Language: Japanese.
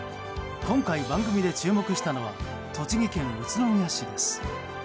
今回、番組で注目したのは栃木県宇都宮市です。